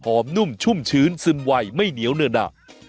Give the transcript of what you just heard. นุ่มชุ่มชื้นซึมไวไม่เหนียวเนื้อหนา